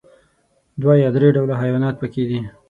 دوه یا درې ډوله حيوانات پکې دي.